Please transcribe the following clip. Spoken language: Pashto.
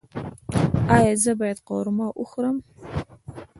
ایا زه باید قورمه وخورم؟